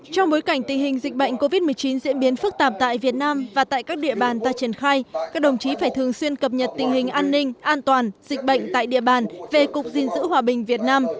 trong bối cảnh tình hình dịch bệnh covid một mươi chín diễn biến phức tạp tại việt nam và tại các địa bàn ta triển khai các đồng chí phải thường xuyên cập nhật tình hình an ninh an toàn dịch bệnh tại địa bàn về cục gìn giữ hòa bình việt nam